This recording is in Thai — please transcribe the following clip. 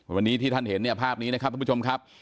วันนี้ที่ท่านเห็นเนี่ยภาพนี้นะครับทุกผู้ชมครับ